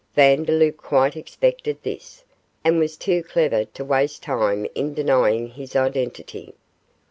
Vandeloup quite expected this, and was too clever to waste time in denying his identity.